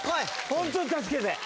ホントに助けて。